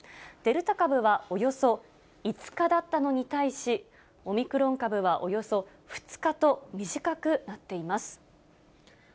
デルタ株はおよそ５日だったのに対し、オミクロン株はおよそ２日と短くなっています。